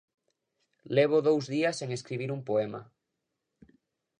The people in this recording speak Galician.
Levo dous días sen escribir un poema.